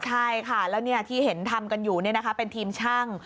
ใช่ค่ะแล้วที่เห็นทำกันอยู่เป็นทีมช่าง